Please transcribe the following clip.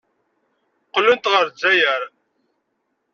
Qqlent ɣer Lezzayer.